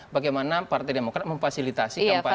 bagaimana partai demokrat memfasilitasi